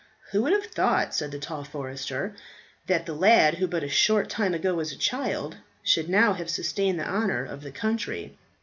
"Who would have thought," said the tall forester, "that the lad who but a short time ago was a child, should now have sustained the honour of the country?